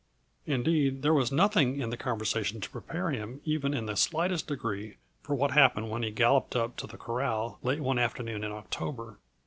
Indeed, there was nothing in the conversation to prepare him even in the slightest degree for what happened when he galloped up to the corral late one afternoon in October.